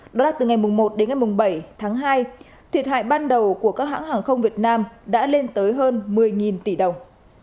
đó là từ ngày một đến ngày bảy tháng hai thiệt hại ban đầu của các hãng hàng không việt nam đã lên tới hơn một mươi tỷ đồng